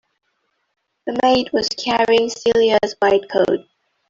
The maid was carrying Celia's white coat.